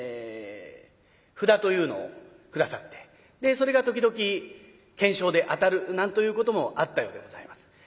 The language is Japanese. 札というのを下さってそれが時々懸賞で当たるなんということもあったようでございます。